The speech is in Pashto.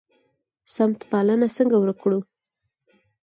سمت پالنه څنګه ورک کړو؟